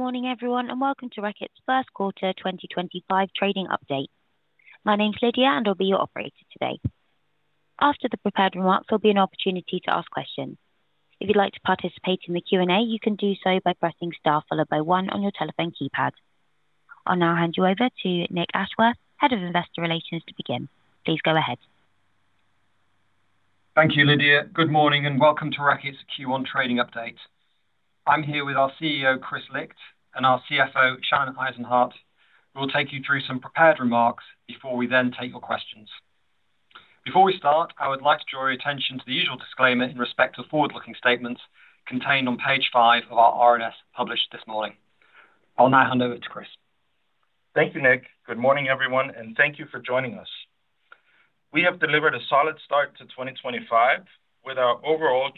Good morning, everyone, and welcome to Reckitt's first quarter 2025 trading update. My name's Lydia, and I'll be your operator today. After the prepared remarks, there'll be an opportunity to ask questions. If you'd like to participate in the Q&A, you can do so by pressing star followed by one on your telephone keypad. I'll now hand you over to Nick Ashworth, Head of Investor Relations, to begin. Please go ahead. Thank you, Lydia. Good morning and welcome to Reckitt's Q1 trading update. I'm here with our CEO, Kris Licht, and our CFO, Shannon Eisenhardt. We'll take you through some prepared remarks before we then take your questions. Before we start, I would like to draw your attention to the usual disclaimer in respect to the forward-looking statements contained on page five of our RNS published this morning. I'll now hand over to Kris. Thank you, Nick. Good morning, everyone, and thank you for joining us. We have delivered a solid start to 2025 with our overall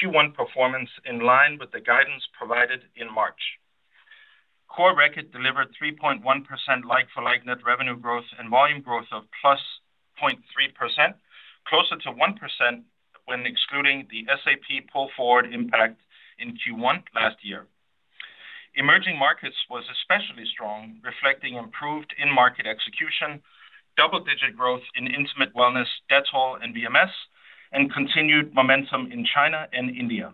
Q1 performance in line with the guidance provided in March. Core Reckitt delivered 3.1% like-for-like net revenue growth and volume growth of plus 0.3%, closer to 1% when excluding the SAP pull forward impact in Q1 last year. Emerging Markets were especially strong, reflecting improved in-market execution, double-digit growth in Intimate Wellness, Dettol, and VMS, and continued momentum in China and India.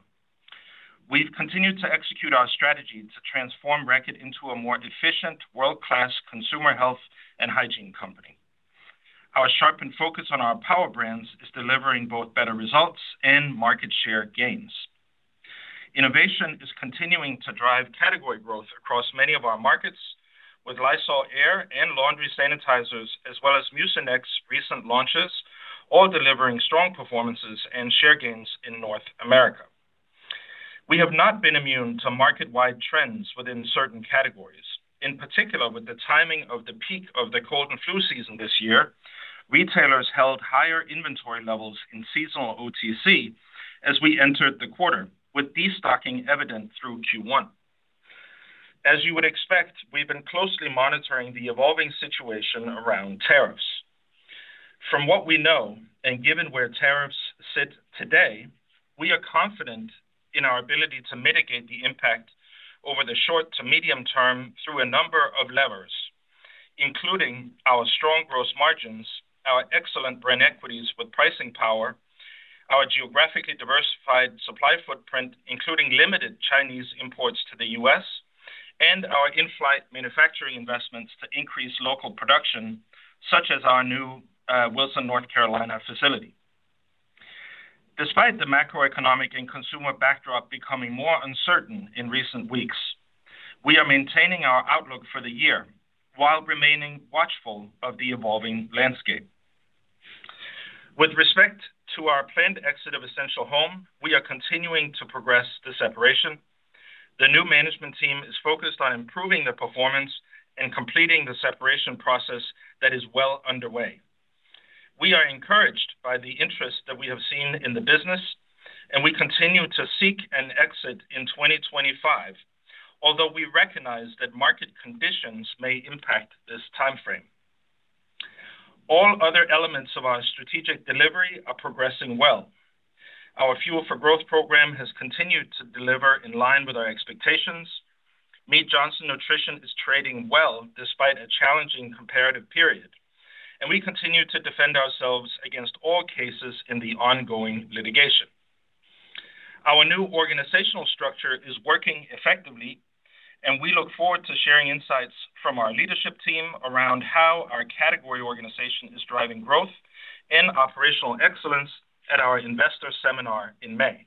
We have continued to execute our strategy to transform Reckitt into a more efficient, world-class consumer health and hygiene company. Our sharpened focus on our power brands is delivering both better results and market share gains. Innovation is continuing to drive category growth across many of our markets, with Lysol Air and laundry sanitizers, as well as Mucinex's recent launches, all delivering strong performances and share gains in North America. We have not been immune to market-wide trends within certain categories. In particular, with the timing of the peak of the cold and flu season this year, retailers held higher inventory levels in seasonal OTC as we entered the quarter, with destocking evident through Q1. As you would expect, we've been closely monitoring the evolving situation around tariffs. From what we know, and given where tariffs sit today, we are confident in our ability to mitigate the impact over the short to medium term through a number of levers, including our strong gross margins, our excellent brand equities with pricing power, our geographically diversified supply footprint, including limited Chinese imports to the U.S., and our in-flight manufacturing investments to increase local production, such as our new Wilson, North Carolina facility. Despite the macroeconomic and consumer backdrop becoming more uncertain in recent weeks, we are maintaining our outlook for the year while remaining watchful of the evolving landscape. With respect to our planned exit of Essential Home, we are continuing to progress the separation. The new management team is focused on improving the performance and completing the separation process that is well underway. We are encouraged by the interest that we have seen in the business, and we continue to seek an exit in 2025, although we recognize that market conditions may impact this timeframe. All other elements of our strategic delivery are progressing well. Our Fuel for Growth program has continued to deliver in line with our expectations. Mead Johnson Nutrition is trading well despite a challenging comparative period, and we continue to defend ourselves against all cases in the ongoing litigation. Our new organizational structure is working effectively, and we look forward to sharing insights from our leadership team around how our category organization is driving growth and operational excellence at our investor seminar in May.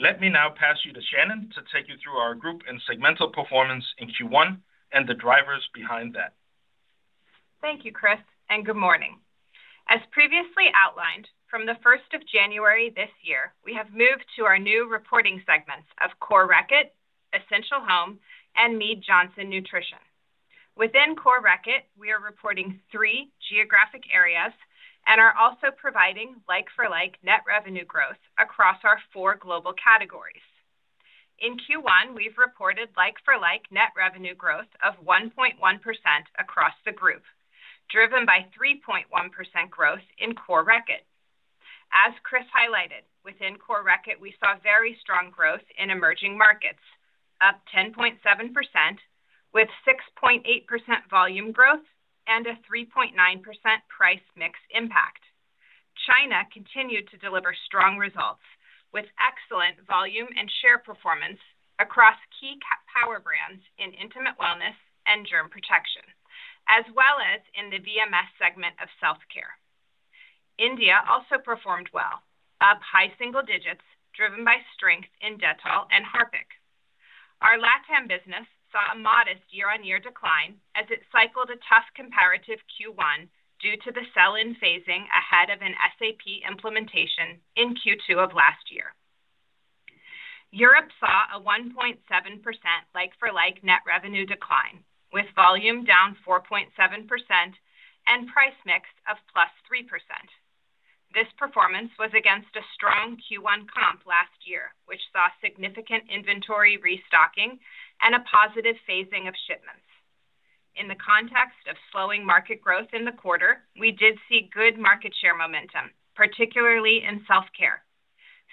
Let me now pass you to Shannon to take you through our group and segmental performance in Q1 and the drivers behind that. Thank you, Kris, and good morning. As previously outlined, from the 1st of January this year, we have moved to our new reporting segments of Core Reckitt, Essential Home, and Mead Johnson Nutrition. Within Core Reckitt, we are reporting three geographic areas and are also providing like-for-like net revenue growth across our four global categories. In Q1, we've reported like-for-like net revenue growth of 1.1% across the group, driven by 3.1% growth in Core Reckitt. As Kris highlighted, within Core Reckitt, we saw very strong growth in emerging markets, up 10.7%, with 6.8% volume growth and a 3.9% price mix impact. China continued to deliver strong results with excellent volume and share performance across key power brands in intimate wellness and Germ Protection, as well as in the VMS segment of Self Care. India also performed well, up high single digits, driven by strength in Dettol and Harpic. Our Latin America business saw a modest year-on-year decline as it cycled a tough comparative Q1 due to the sell-in phasing ahead of an SAP implementation in Q2 of last year. Europe saw a 1.7% like-for-like net revenue decline, with volume down 4.7% and price mix of plus 3%. This performance was against a strong Q1 comp last year, which saw significant inventory restocking and a positive phasing of shipments. In the context of slowing market growth in the quarter, we did see good market share momentum, particularly in Self Care.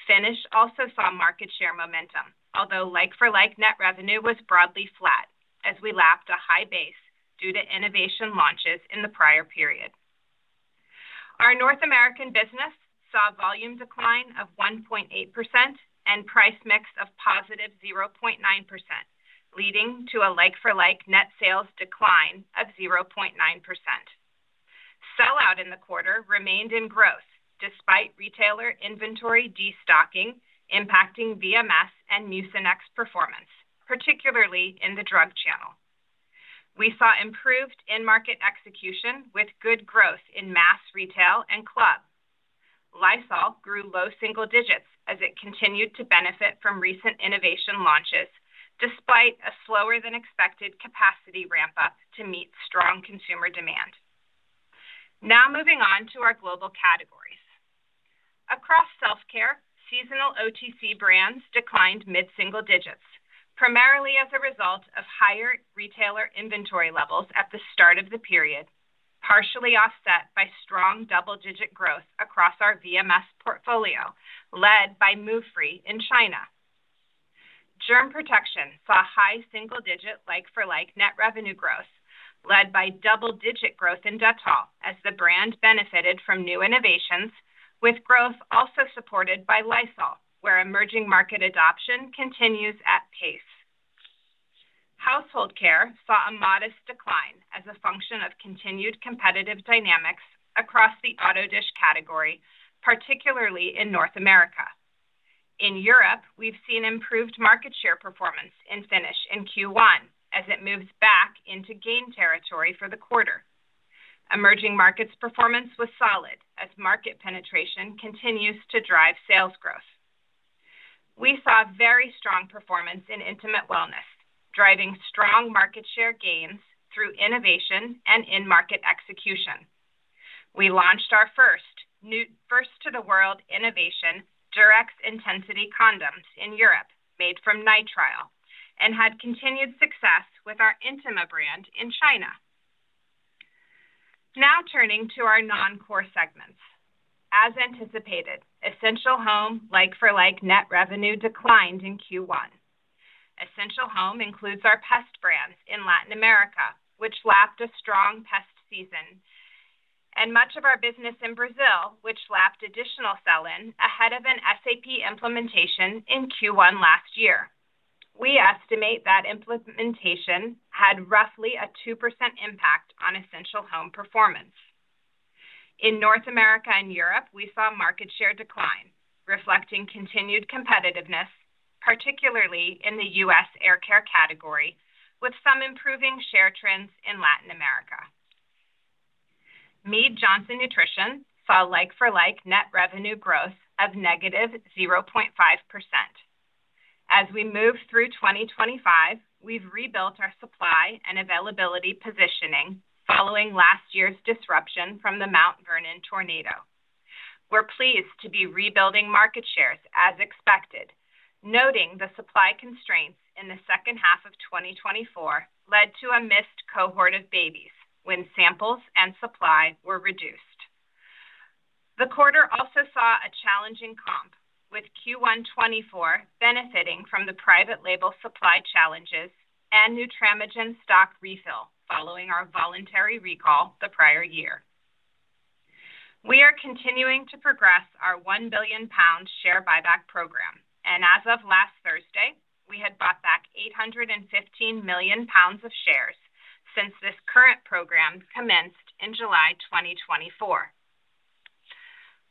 Finish also saw market share momentum, although like-for-like net revenue was broadly flat as we lapped a high base due to innovation launches in the prior period. Our North American business saw volume decline of 1.8% and price mix of positive 0.9%, leading to a like-for-like net sales decline of 0.9%. Sell-out in the quarter remained in growth despite retailer inventory destocking impacting VMS and Mucinex performance, particularly in the drug channel. We saw improved in-market execution with good growth in mass retail and club. Lysol grew low single digits as it continued to benefit from recent innovation launches, despite a slower-than-expected capacity ramp-up to meet strong consumer demand. Now moving on to our global categories. Across Self Care, seasonal OTC brands declined mid-single digits, primarily as a result of higher retailer inventory levels at the start of the period, partially offset by strong double-digit growth across our VMS portfolio led by Nutramigen in China. Germ protection saw high single-digit like-for-like net revenue growth, led by double-digit growth in Dettol as the brand benefited from new innovations, with growth also supported by Lysol, where emerging market adoption continues at pace. Household Care saw a modest decline as a function of continued competitive dynamics across the auto dish category, particularly in North America. In Europe, we've seen improved market share performance in Finish in Q1 as it moves back into gain territory for the quarter. Emerging markets' performance was solid as market penetration continues to drive sales growth. We saw very strong performance in intimate wellness, driving strong market share gains through innovation and in-market execution. We launched our first new first-to-the-world innovation, Durex Intensity condoms in Europe, made from nitrile, and had continued success with our Intimate brand in China. Now turning to our non-core segments. As anticipated, Essential Home like-for-like net revenue declined in Q1. Essential Home includes our pest brands in Latin America, which lapped a strong pest season, and much of our business in Brazil, which lapped additional sell-in ahead of an SAP implementation in Q1 last year. We estimate that implementation had roughly a 2% impact on Essential Home performance. In North America and Europe, we saw market share decline, reflecting continued competitiveness, particularly in the U.S. aircare category, with some improving share trends in Latin America. Mead Johnson Nutrition saw like-for-like net revenue growth of negative 0.5%. As we move through 2025, we've rebuilt our supply and availability positioning following last year's disruption from the Mount Vernon tornado. We're pleased to be rebuilding market shares as expected, noting the supply constraints in the second half of 2024 led to a missed cohort of babies when samples and supply were reduced. The quarter also saw a challenging comp, with Q1 2024 benefiting from the private label supply challenges and Nutramigen stock refill following our voluntary recall the prior year. We are continuing to progress our 1 billion pound share buyback program, and as of last Thursday, we had bought back 815 million pounds of shares since this current program commenced in July 2024.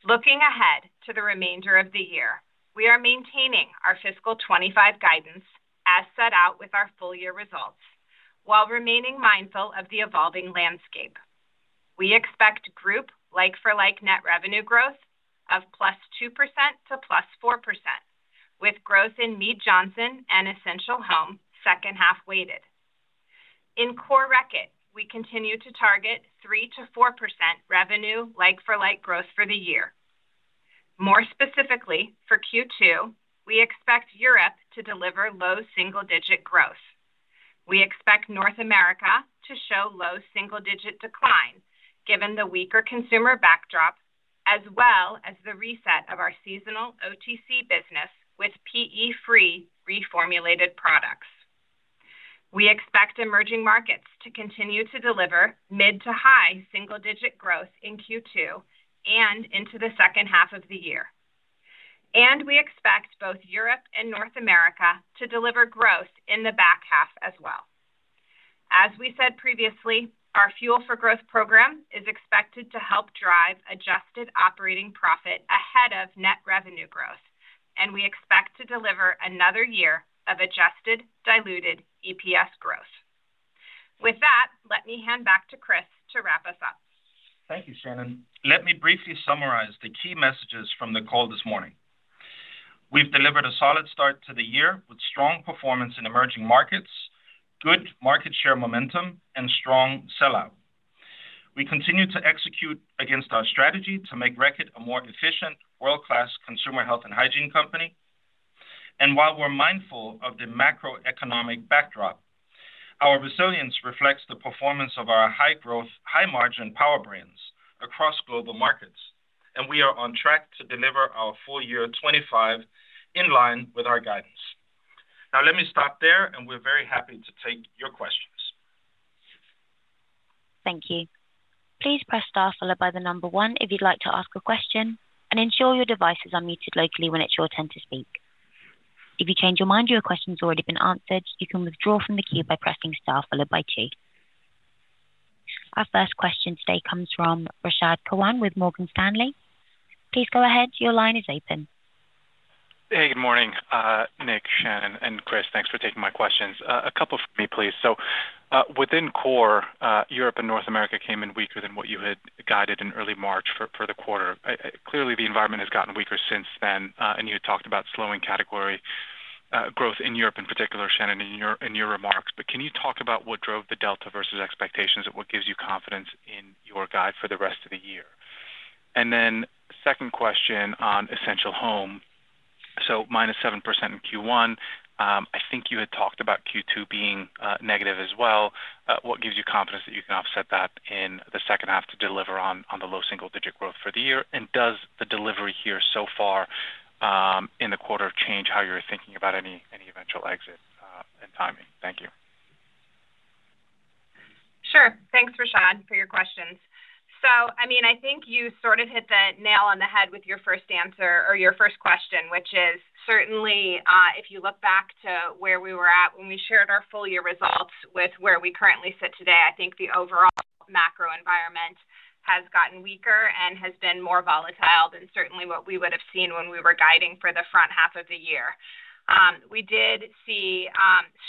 Looking ahead to the remainder of the year, we are maintaining our fiscal 2025 guidance as set out with our full year results, while remaining mindful of the evolving landscape. We expect group like-for-like net revenue growth of +2% to +4%, with growth in Mead Johnson and Essential Home second half weighted. In Core Reckitt, we continue to target 3%-4% revenue like-for-like growth for the year. More specifically, for Q2, we expect Europe to deliver low single-digit growth. We expect North America to show low single-digit decline, given the weaker consumer backdrop, as well as the reset of our seasonal OTC business with PE-free reformulated products. We expect emerging markets to continue to deliver mid to high single-digit growth in Q2 and into the second half of the year. We expect both Europe and North America to deliver growth in the back half as well. As we said previously, our Fuel for Growth program is expected to help drive adjusted operating profit ahead of net revenue growth, and we expect to deliver another year of adjusted diluted EPS growth. With that, let me hand back to Kris to wrap us up. Thank you, Shannon. Let me briefly summarize the key messages from the call this morning. We've delivered a solid start to the year with strong performance in emerging markets, good market share momentum, and strong sell-out. We continue to execute against our strategy to make Reckitt a more efficient, world-class consumer health and hygiene company. While we're mindful of the macroeconomic backdrop, our resilience reflects the performance of our high-growth, high-margin power brands across global markets, and we are on track to deliver our full year 2025 in line with our guidance. Now let me stop there, and we're very happy to take your questions. Thank you. Please press star followed by the number one if you'd like to ask a question, and ensure your devices are muted locally when it's your turn to speak. If you change your mind, your question's already been answered. You can withdraw from the queue by pressing star followed by two. Our first question today comes from Rashad Kawan with Morgan Stanley. Please go ahead. Your line is open. Hey, good morning, Nick, Shannon, and Kris. Thanks for taking my questions. A couple for me, please. Within core, Europe and North America came in weaker than what you had guided in early March for the quarter. Clearly, the environment has gotten weaker since then, and you had talked about slowing category growth in Europe in particular, Shannon, in your remarks. Can you talk about what drove the delta versus expectations and what gives you confidence in your guide for the rest of the year? Second question on Essential Home. Minus 7% in Q1. I think you had talked about Q2 being negative as well. What gives you confidence that you can offset that in the second half to deliver on the low single-digit growth for the year? Does the delivery here so far in the quarter change how you're thinking about any eventual exit and timing? Thank you. Sure. Thanks, Rashad, for your questions. I mean, I think you sort of hit the nail on the head with your first answer or your first question, which is certainly if you look back to where we were at when we shared our full year results with where we currently sit today, I think the overall macro environment has gotten weaker and has been more volatile than certainly what we would have seen when we were guiding for the front half of the year. We did see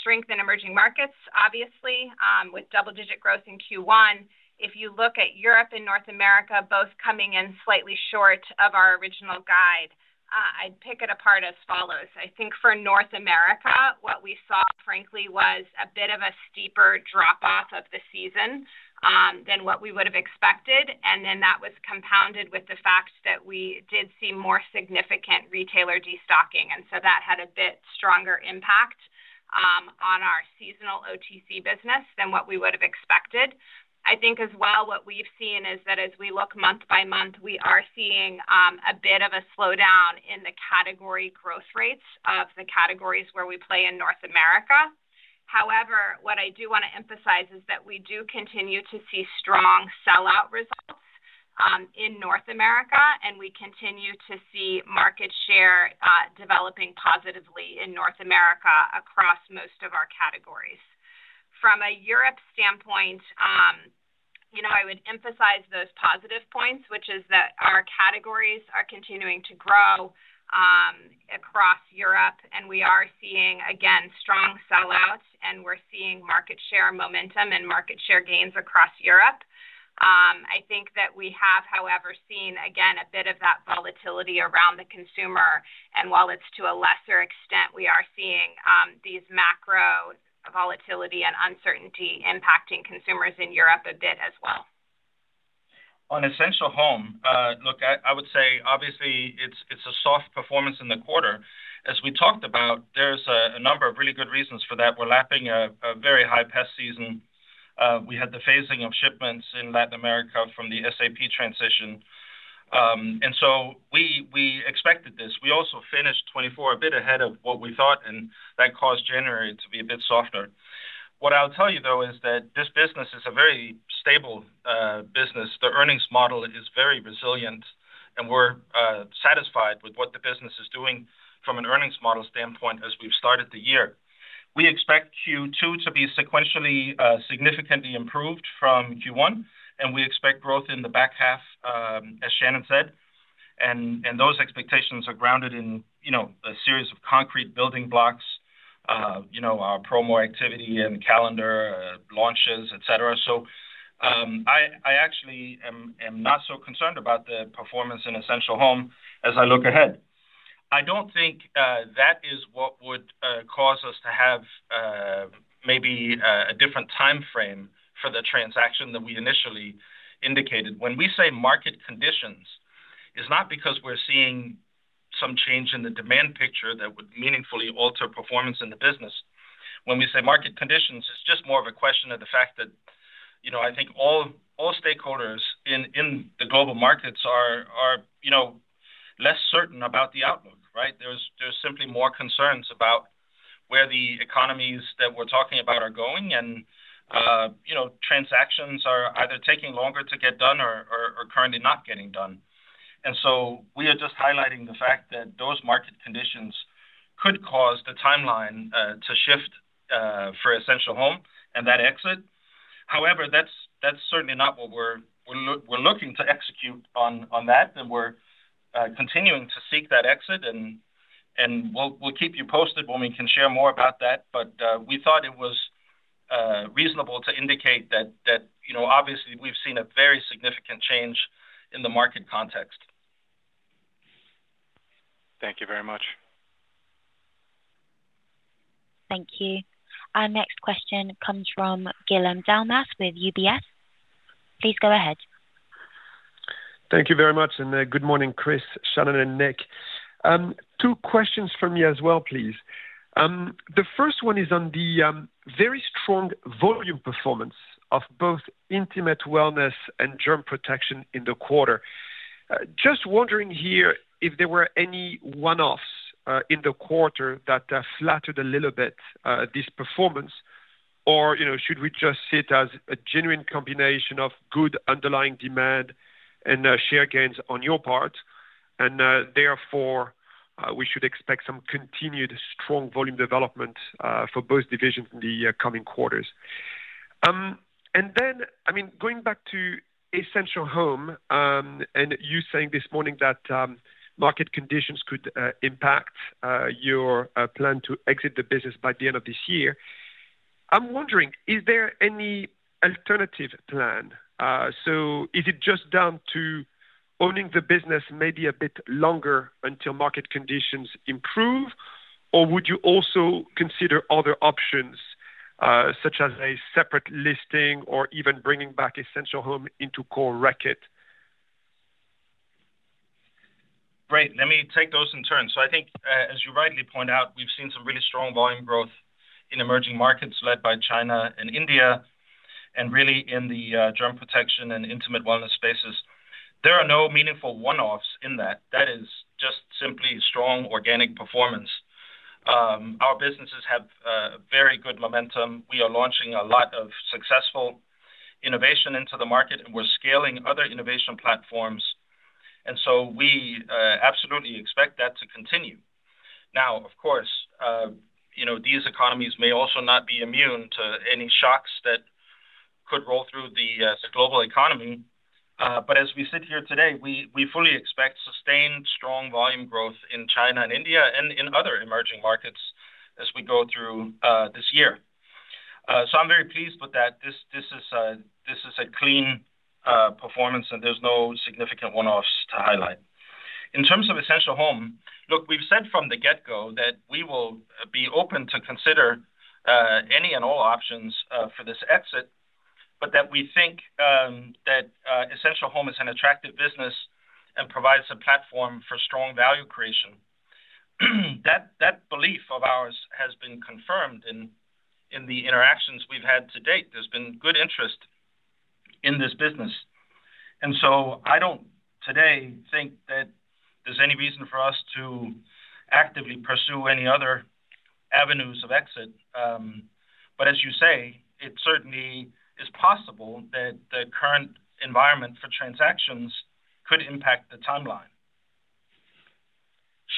strength in emerging markets, obviously, with double-digit growth in Q1. If you look at Europe and North America, both coming in slightly short of our original guide, I'd pick it apart as follows. I think for North America, what we saw, frankly, was a bit of a steeper drop-off of the season than what we would have expected. That was compounded with the fact that we did see more significant retailer destocking. That had a bit stronger impact on our seasonal OTC business than what we would have expected. I think as well, what we've seen is that as we look month by month, we are seeing a bit of a slowdown in the category growth rates of the categories where we play in North America. However, what I do want to emphasize is that we do continue to see strong sell-out results in North America, and we continue to see market share developing positively in North America across most of our categories. From a Europe standpoint, you know I would emphasize those positive points, which is that our categories are continuing to grow across Europe, and we are seeing, again, strong sell-outs, and we're seeing market share momentum and market share gains across Europe. I think that we have, however, seen, again, a bit of that volatility around the consumer. While it's to a lesser extent, we are seeing these macro volatility and uncertainty impacting consumers in Europe a bit as well. On Essential Home, look, I would say, obviously, it's a soft performance in the quarter. As we talked about, there's a number of really good reasons for that. We're lapping a very high pest season. We had the phasing of shipments in Latin America from the SAP transition. We expected this. We also finished 2024 a bit ahead of what we thought, and that caused January to be a bit softer. What I'll tell you, though, is that this business is a very stable business. The earnings model is very resilient, and we're satisfied with what the business is doing from an earnings model standpoint as we've started the year. We expect Q2 to be sequentially significantly improved from Q1, and we expect growth in the back half, as Shannon said. Those expectations are grounded in a series of concrete building blocks, our promo activity and calendar launches, et cetera. I actually am not so concerned about the performance in Essential Home as I look ahead. I do not think that is what would cause us to have maybe a different timeframe for the transaction that we initially indicated. When we say market conditions, it is not because we are seeing some change in the demand picture that would meaningfully alter performance in the business. When we say market conditions, it is just more of a question of the fact that I think all stakeholders in the global markets are less certain about the outlook, right? There are simply more concerns about where the economies that we are talking about are going, and transactions are either taking longer to get done or currently not getting done. We are just highlighting the fact that those market conditions could cause the timeline to shift for Essential Home and that exit. However, that's certainly not what we're looking to execute on that, and we're continuing to seek that exit. We'll keep you posted when we can share more about that. We thought it was reasonable to indicate that, obviously, we've seen a very significant change in the market context. Thank you very much. Thank you. Our next question comes from Guillaume Delmas with UBS. Please go ahead. Thank you very much, and good morning, Kris, Shannon, and Nick. Two questions from me as well, please. The first one is on the very strong volume performance of both Intimate Wellness and Germ Protection in the quarter. Just wondering here if there were any one-offs in the quarter that flattered a little bit this performance, or should we just see it as a genuine combination of good underlying demand and share gains on your part, and therefore we should expect some continued strong volume development for both divisions in the coming quarters? I mean, going back to Essential Home and you saying this morning that market conditions could impact your plan to exit the business by the end of this year, I'm wondering, is there any alternative plan? Is it just down to owning the business maybe a bit longer until market conditions improve, or would you also consider other options such as a separate listing or even bringing back Essential Home into Core Reckitt? Great. Let me take those in turn. I think, as you rightly point out, we've seen some really strong volume growth in emerging markets led by China and India, and really in the Germ Protection and Intimate Wellness spaces. There are no meaningful one-offs in that. That is just simply strong organic performance. Our businesses have very good momentum. We are launching a lot of successful innovation into the market, and we're scaling other innovation platforms. We absolutely expect that to continue. Of course, these economies may also not be immune to any shocks that could roll through the global economy. As we sit here today, we fully expect sustained strong volume growth in China and India and in other emerging markets as we go through this year. I'm very pleased with that. This is a clean performance, and there's no significant one-offs to highlight. In terms of Essential Home, look, we've said from the get-go that we will be open to consider any and all options for this exit, but that we think that Essential Home is an attractive business and provides a platform for strong value creation. That belief of ours has been confirmed in the interactions we've had to date. There's been good interest in this business. I don't today think that there's any reason for us to actively pursue any other avenues of exit. As you say, it certainly is possible that the current environment for transactions could impact the timeline.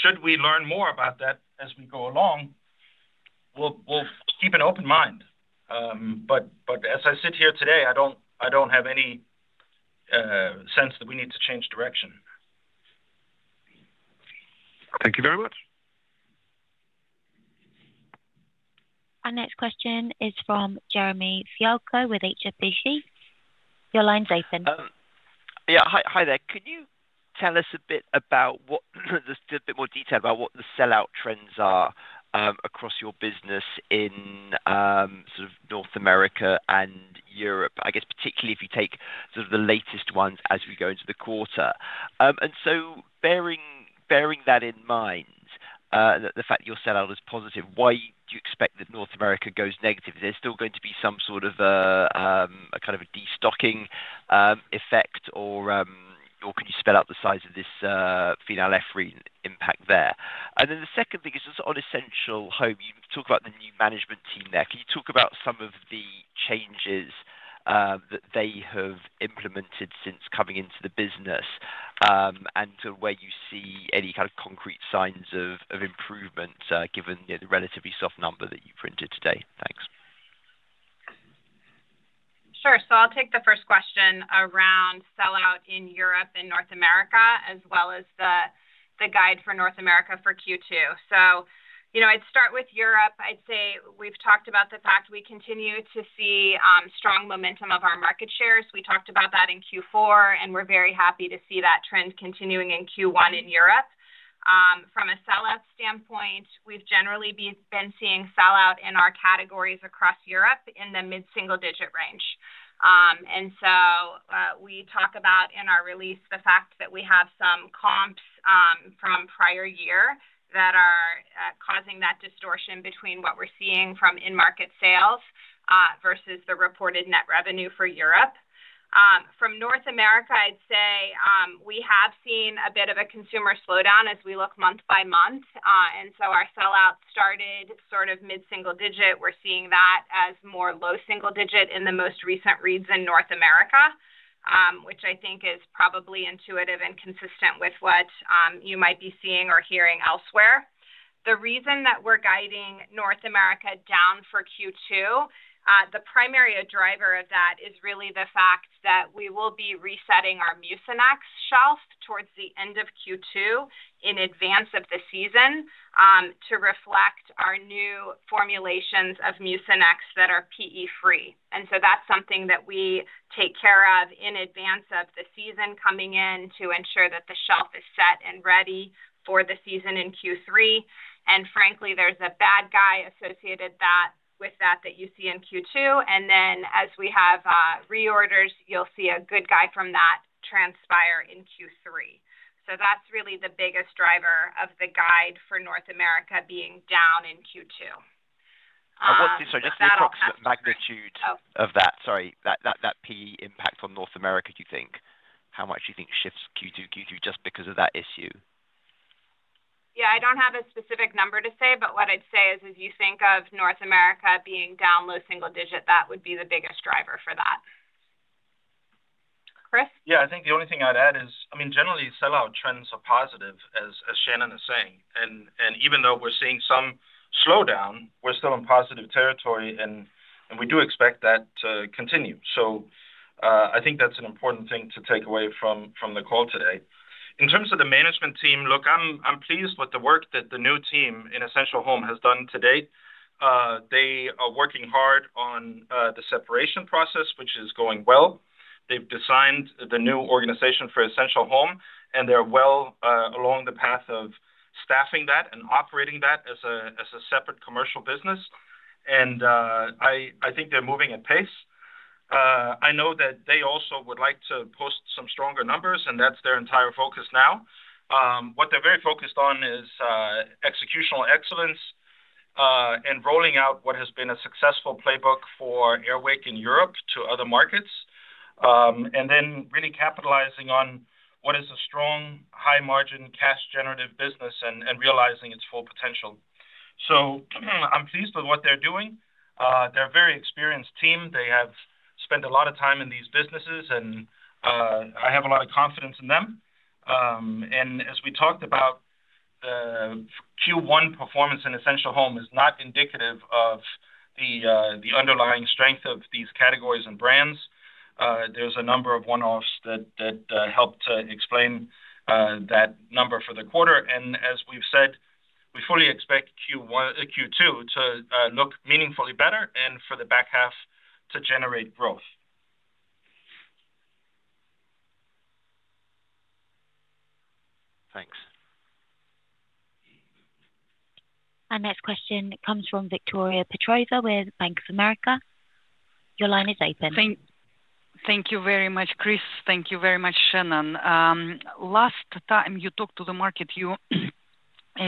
Should we learn more about that as we go along, we'll keep an open mind. As I sit here today, I don't have any sense that we need to change direction. Thank you very much. Our next question is from Jeremy Fialko with HSBC. Your line's open. Yeah, hi there. Could you tell us a bit more detail about what the sell-out trends are across your business in sort of North America and Europe, I guess, particularly if you take sort of the latest ones as we go into the quarter? Bearing that in mind, the fact that your sell-out is positive, why do you expect that North America goes negative? Is there still going to be some sort of a kind of a destocking effect, or can you spell out the size of this phenylephrine impact there? The second thing is on Essential Home, you talk about the new management team there. Can you talk about some of the changes that they have implemented since coming into the business and to where you see any kind of concrete signs of improvement given the relatively soft number that you printed today? Thanks. Sure. I'll take the first question around sell-out in Europe and North America as well as the guide for North America for Q2. I'd start with Europe. I'd say we've talked about the fact we continue to see strong momentum of our market shares. We talked about that in Q4, and we're very happy to see that trend continuing in Q1 in Europe. From a sell-out standpoint, we've generally been seeing sell-out in our categories across Europe in the mid-single-digit range. We talk about in our release the fact that we have some comps from a prior year that are causing that distortion between what we're seeing from in-market sales versus the reported net revenue for Europe. From North America, I'd say we have seen a bit of a consumer slowdown as we look month by month. Our sell-out started sort of mid-single-digit. We're seeing that as more low single-digit in the most recent reads in North America, which I think is probably intuitive and consistent with what you might be seeing or hearing elsewhere. The reason that we're guiding North America down for Q2, the primary driver of that is really the fact that we will be resetting our Mucinex shelf towards the end of Q2 in advance of the season to reflect our new formulations of Mucinex that are PE-free. That is something that we take care of in advance of the season coming in to ensure that the shelf is set and ready for the season in Q3. Frankly, there's a bad guy associated with that that you see in Q2. As we have reorders, you'll see a good guy from that transpire in Q3. That's really the biggest driver of the guide for North America being down in Q2. Sorry, just the approximate magnitude of that, sorry, that PE impact on North America, do you think? How much do you think shifts Q2, Q3 just because of that issue? Yeah, I don't have a specific number to say, but what I'd say is if you think of North America being down low single-digit, that would be the biggest driver for that. Kris? Yeah, I think the only thing I'd add is, I mean, generally, sell-out trends are positive, as Shannon is saying. Even though we're seeing some slowdown, we're still in positive territory, and we do expect that to continue. I think that's an important thing to take away from the call today. In terms of the management team, look, I'm pleased with the work that the new team in Essential Home has done to date. They are working hard on the separation process, which is going well. They've designed the new organization for Essential Home, and they're well along the path of staffing that and operating that as a separate commercial business. I think they're moving at pace. I know that they also would like to post some stronger numbers, and that's their entire focus now. What they're very focused on is executional excellence and rolling out what has been a successful playbook for Air Wick in Europe to other markets, and then really capitalizing on what is a strong, high-margin cash-generative business and realizing its full potential. I'm pleased with what they're doing. They're a very experienced team. They have spent a lot of time in these businesses, and I have a lot of confidence in them. As we talked about, Q1 performance in Essential Home is not indicative of the underlying strength of these categories and brands. There's a number of one-offs that help to explain that number for the quarter. As we've said, we fully expect Q2 to look meaningfully better and for the back half to generate growth. Thanks. Our next question comes from Victoria Petrova with Bank of America. Your line is open. Thank you very much, Kris. Thank you very much, Shannon. Last time you talked to the market, you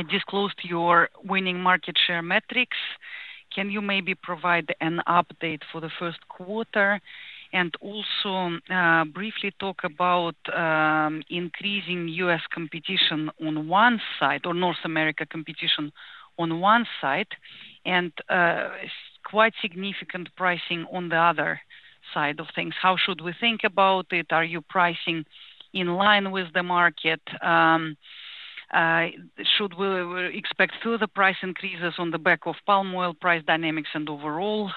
disclosed your winning market share metrics. Can you maybe provide an update for the first quarter and also briefly talk about increasing U.S. competition on one side or North America competition on one side and quite significant pricing on the other side of things? How should we think about it? Are you pricing in line with the market? Should we expect further price increases on the back of palm oil price dynamics and overall?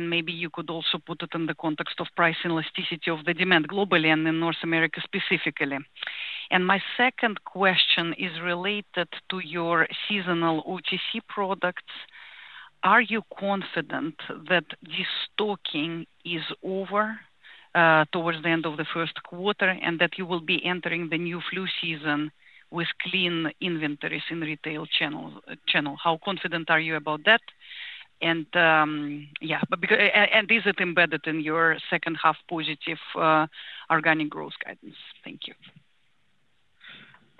Maybe you could also put it in the context of price elasticity of the demand globally and in North America specifically. My second question is related to your seasonal OTC products. Are you confident that destocking is over towards the end of the first quarter and that you will be entering the new flu season with clean inventories in retail channel? How confident are you about that? Yeah, and is it embedded in your second-half positive organic growth guidance? Thank you.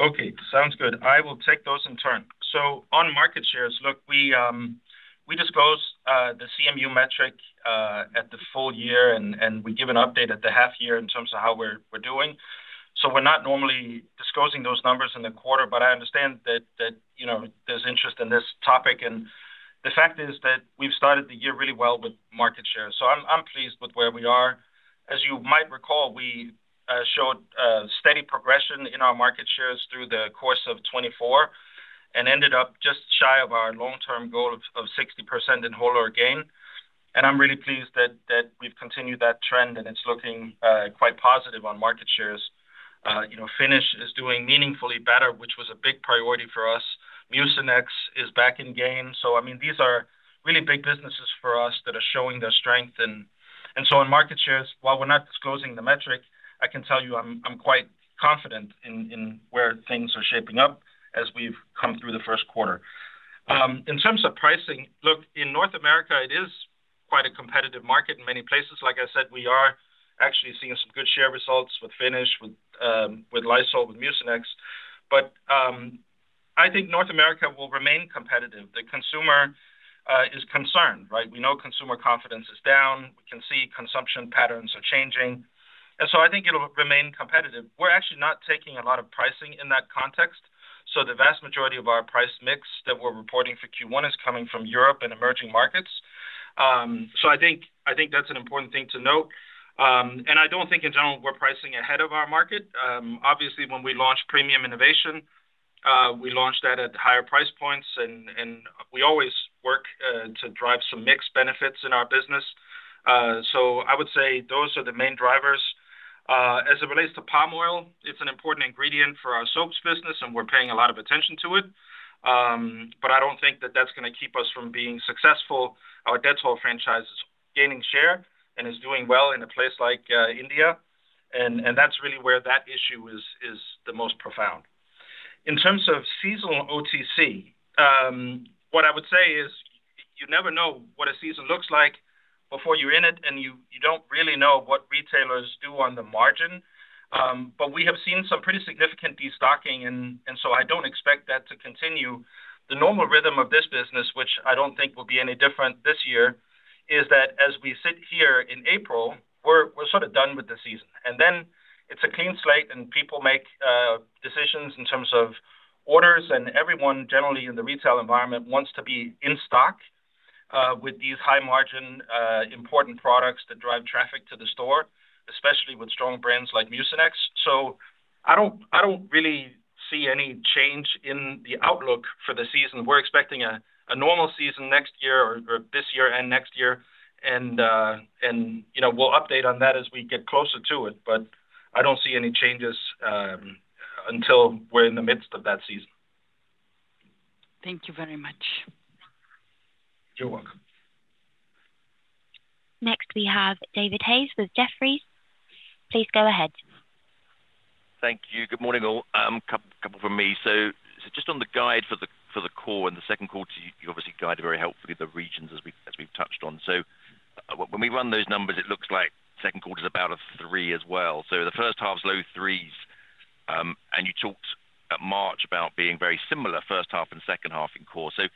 Okay, sounds good. I will take those in turn. On market shares, look, we disclose the CMU metric at the full year, and we give an update at the half year in terms of how we're doing. We are not normally disclosing those numbers in the quarter, but I understand that there's interest in this topic. The fact is that we've started the year really well with market shares. I'm pleased with where we are. As you might recall, we showed steady progression in our market shares through the course of 2024 and ended up just shy of our long-term goal of 60% in whole or gain. I'm really pleased that we've continued that trend, and it's looking quite positive on market shares. Finish is doing meaningfully better, which was a big priority for us. Mucinex is back in game. I mean, these are really big businesses for us that are showing their strength. On market shares, while we're not disclosing the metric, I can tell you I'm quite confident in where things are shaping up as we've come through the first quarter. In terms of pricing, look, in North America, it is quite a competitive market in many places. Like I said, we are actually seeing some good share results with Finish, with Lysol, with Mucinex. I think North America will remain competitive. The consumer is concerned, right? We know consumer confidence is down. We can see consumption patterns are changing. I think it'll remain competitive. We're actually not taking a lot of pricing in that context. The vast majority of our price mix that we're reporting for Q1 is coming from Europe and emerging markets. I think that's an important thing to note. I don't think, in general, we're pricing ahead of our market. Obviously, when we launched premium innovation, we launched that at higher price points, and we always work to drive some mixed benefits in our business. I would say those are the main drivers. As it relates to palm oil, it's an important ingredient for our soaps business, and we're paying a lot of attention to it. I don't think that that's going to keep us from being successful. Our Dettol franchise is gaining share and is doing well in a place like India. That's really where that issue is the most profound. In terms of seasonal OTC, what I would say is you never know what a season looks like before you're in it, and you don't really know what retailers do on the margin. We have seen some pretty significant destocking, and I do not expect that to continue. The normal rhythm of this business, which I do not think will be any different this year, is that as we sit here in April, we are sort of done with the season. It is a clean slate, and people make decisions in terms of orders, and everyone generally in the retail environment wants to be in stock with these high-margin, important products that drive traffic to the store, especially with strong brands like Mucinex. I do not really see any change in the outlook for the season. We are expecting a normal season this year and next year. We will update on that as we get closer to it, but I do not see any changes until we are in the midst of that season. Thank you very much. You're welcome. Next, we have David Hayes with Jefferies. Please go ahead. Thank you. Good morning. A couple from me. Just on the guide for the core and the second quarter, you obviously guided very helpfully the regions as we've touched on. When we run those numbers, it looks like second quarter is about a three as well. The first half is low threes, and you talked at March about being very similar, first half and second half in core. Is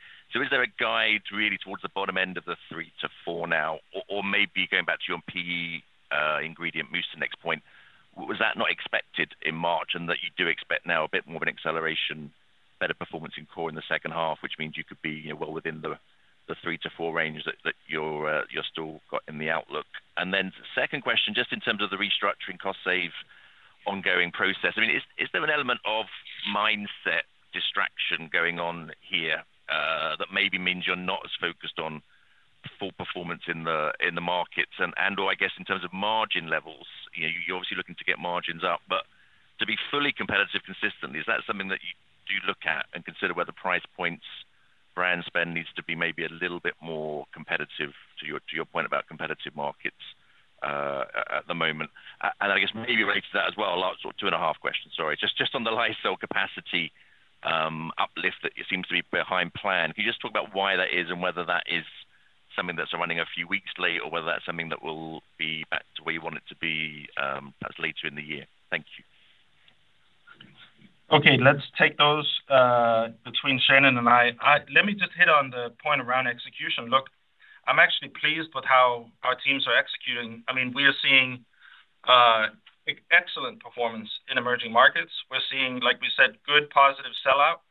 there a guide really towards the bottom end of the three to four now, or maybe going back to your PE ingredient, Mucinex point? Was that not expected in March and that you do expect now a bit more of an acceleration, better performance in core in the second half, which means you could be well within the three to four range that you've still got in the outlook? The second question, just in terms of the restructuring cost-save ongoing process, I mean, is there an element of mindset distraction going on here that maybe means you're not as focused on full performance in the markets? I guess in terms of margin levels, you're obviously looking to get margins up, but to be fully competitive consistently, is that something that you do look at and consider where the price points, brand spend needs to be maybe a little bit more competitive to your point about competitive markets at the moment? I guess maybe related to that as well, two and a half questions, sorry. Just on the Lysol capacity uplift that seems to be behind plan, can you just talk about why that is and whether that is something that's running a few weeks late or whether that's something that will be back to where you want it to be later in the year? Thank you. Okay, let's take those between Shannon and I. Let me just hit on the point around execution. Look, I'm actually pleased with how our teams are executing. I mean, we are seeing excellent performance in emerging markets. We're seeing, like we said, good positive sell-out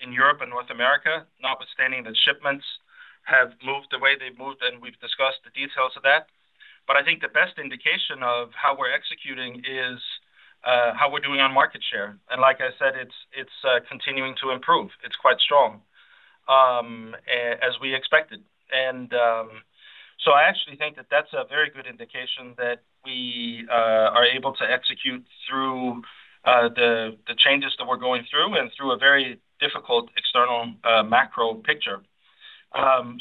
in Europe and North America, notwithstanding that shipments have moved the way they've moved, and we've discussed the details of that. I think the best indication of how we're executing is how we're doing on market share. Like I said, it's continuing to improve. It's quite strong as we expected. I actually think that that's a very good indication that we are able to execute through the changes that we're going through and through a very difficult external macro picture. I'm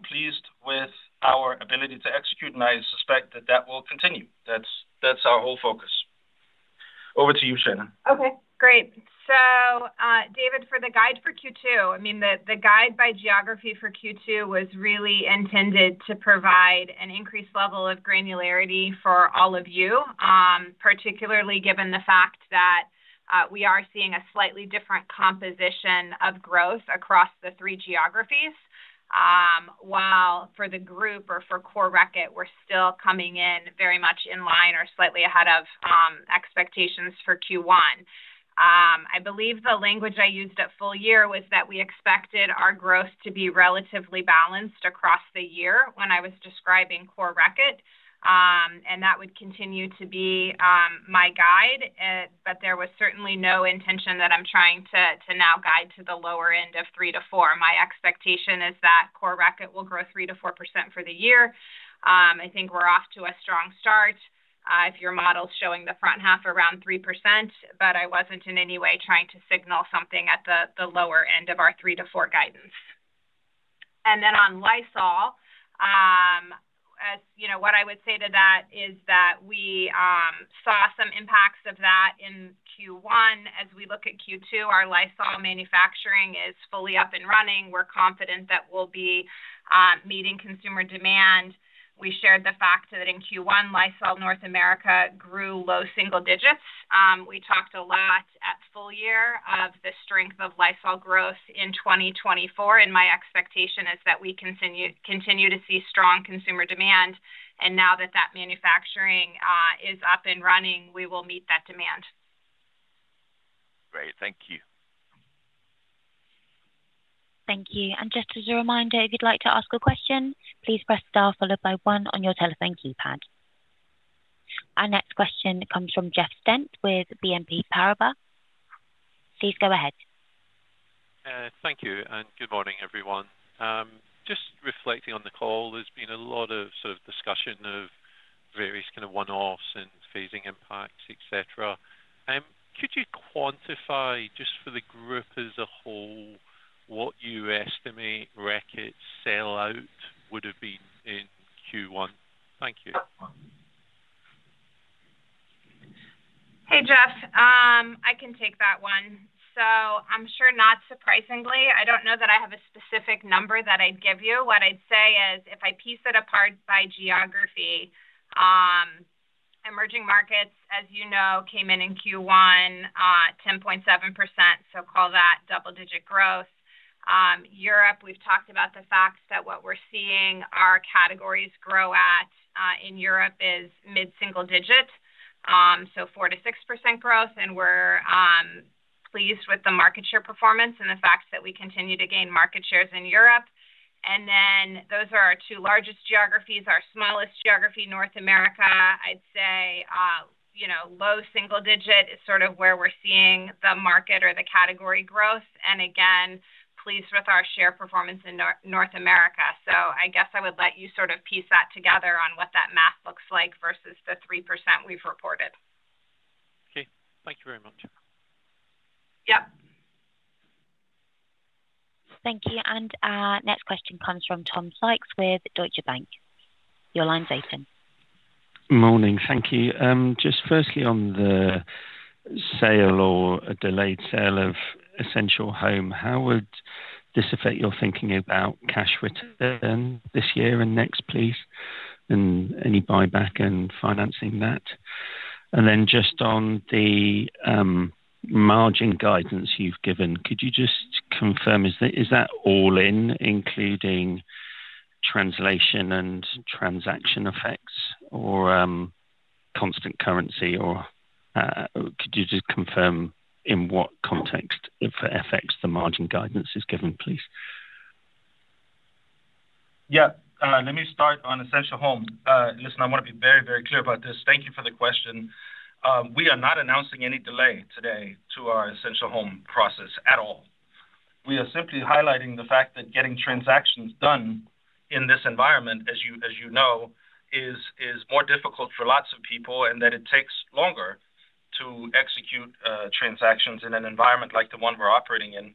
pleased with our ability to execute, and I suspect that that will continue. That's our whole focus. Over to you, Shannon. Okay, great. David, for the guide for Q2, I mean, the guide by geography for Q2 was really intended to provide an increased level of granularity for all of you, particularly given the fact that we are seeing a slightly different composition of growth across the three geographies, while for the group or for Core Reckitt, we're still coming in very much in line or slightly ahead of expectations for Q1. I believe the language I used at full year was that we expected our growth to be relatively balanced across the year when I was describing Core Reckitt, and that would continue to be my guide. There was certainly no intention that I'm trying to now guide to the lower end of 3-4%. My expectation is that Core Reckitt will grow 3-4% for the year. I think we're off to a strong start if your model's showing the front half around 3%, but I wasn't in any way trying to signal something at the lower end of our three to four guidance. On Lysol, what I would say to that is that we saw some impacts of that in Q1. As we look at Q2, our Lysol manufacturing is fully up and running. We're confident that we'll be meeting consumer demand. We shared the fact that in Q1, Lysol North America grew low single digits. We talked a lot at full year of the strength of Lysol growth in 2024, and my expectation is that we continue to see strong consumer demand. Now that that manufacturing is up and running, we will meet that demand. Great. Thank you. Thank you. Just as a reminder, if you'd like to ask a question, please press star followed by one on your telephone keypad. Our next question comes from Jeff Stent with BNP Paribas. Please go ahead. Thank you. Good morning, everyone. Just reflecting on the call, there has been a lot of sort of discussion of various kind of one-offs and phasing impacts, etc. Could you quantify just for the group as a whole what you estimate Reckitt sell-out would have been in Q1? Thank you. Hey, Jeff. I can take that one. I'm sure not surprisingly, I don't know that I have a specific number that I'd give you. What I'd say is if I piece it apart by geography, emerging markets, as you know, came in in Q1, 10.7%, so call that double-digit growth. Europe, we've talked about the fact that what we're seeing our categories grow at in Europe is mid-single digit, so 4-6% growth, and we're pleased with the market share performance and the fact that we continue to gain market shares in Europe. Those are our two largest geographies. Our smallest geography, North America, I'd say low single digit is sort of where we're seeing the market or the category growth. Again, pleased with our share performance in North America. I guess I would let you sort of piece that together on what that math looks like versus the 3% we've reported. Okay. Thank you very much. Yep. Thank you. Next question comes from Tom Sykes with Deutsche Bank. Your line's open. Morning. Thank you. Just firstly on the sale or a delayed sale of Essential Home, how would this affect your thinking about cash return this year and next, please, and any buyback and financing that? Just on the margin guidance you've given, could you just confirm, is that all in, including translation and transaction effects or constant currency? Could you just confirm in what context it affects the margin guidance is given, please? Yeah. Let me start on Essential Home. Listen, I want to be very, very clear about this. Thank you for the question. We are not announcing any delay today to our Essential Home process at all. We are simply highlighting the fact that getting transactions done in this environment, as you know, is more difficult for lots of people and that it takes longer to execute transactions in an environment like the one we're operating in.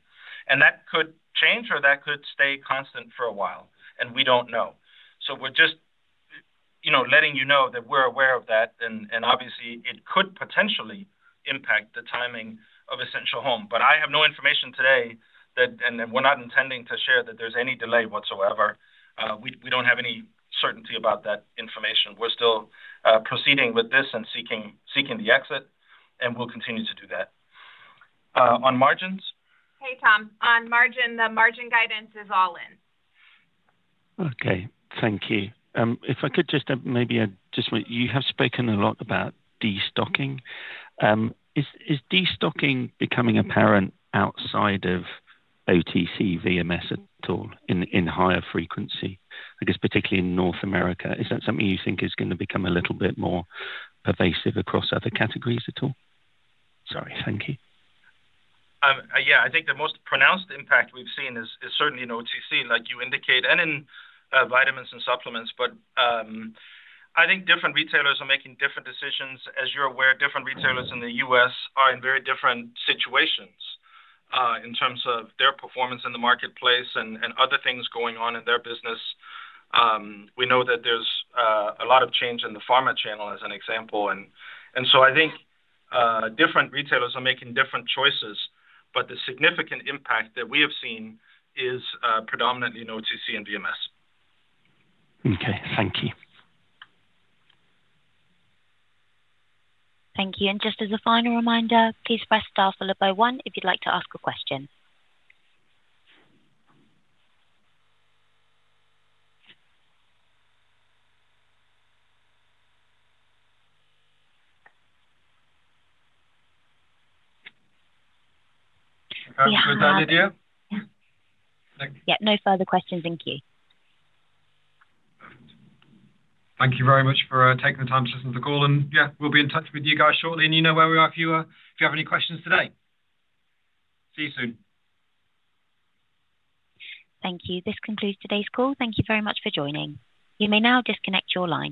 That could change or that could stay constant for a while, and we don't know. We're just letting you know that we're aware of that, and obviously, it could potentially impact the timing of Essential Home. I have no information today, and we're not intending to share that there's any delay whatsoever. We don't have any certainty about that information. We're still proceeding with this and seeking the exit, and we'll continue to do that. On margins? Hey, Tom. On margin, the margin guidance is all in. Okay. Thank you. If I could just maybe, you have spoken a lot about destocking. Is destocking becoming apparent outside of OTC, VMS at all in higher frequency, I guess, particularly in North America? Is that something you think is going to become a little bit more pervasive across other categories at all? Sorry. Thank you. Yeah. I think the most pronounced impact we've seen is certainly in OTC, like you indicate, and in vitamins and supplements. I think different retailers are making different decisions. As you're aware, different retailers in the U.S. are in very different situations in terms of their performance in the marketplace and other things going on in their business. We know that there's a lot of change in the pharma channel, as an example. I think different retailers are making different choices, but the significant impact that we have seen is predominantly in OTC and VMS. Okay. Thank you. Thank you. Just as a final reminder, please press star followed by one if you'd like to ask a question. We have no further questions. Yeah. No further questions. Thank you. Thank you very much for taking the time to listen to the call. Yeah, we'll be in touch with you guys shortly. You know where we are if you have any questions today. See you soon. Thank you. This concludes today's call. Thank you very much for joining. You may now disconnect your line.